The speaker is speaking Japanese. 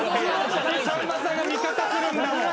さんまさんが味方するんだもん。